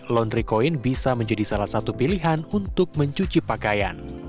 laundry coin bisa menjadi salah satu pilihan untuk mencuci pakaian